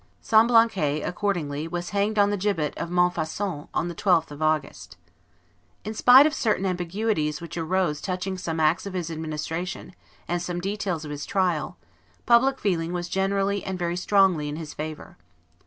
Semblancay, accordingly, was hanged on the gibbet of Montfaucon, on the 12th of August. In spite of certain ambiguities which arose touching some acts of his administration and some details of his trial, public feeling was generally and very strongly in his favor.